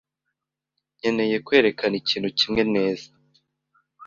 nkeneye kwerekana ikintu kimwe neza.